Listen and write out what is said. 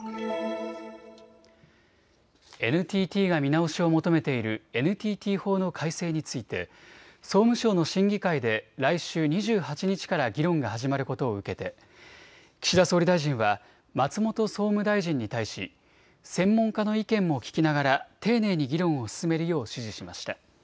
ＮＴＴが見直しを求めているＮＴＴ法の改正について総務省の審議会で来週２８日から議論が始まることを受けて岸田総理大臣は松本総務大臣に対し専門家の意見も聞きながら丁寧に議論を進めるよう指示しました。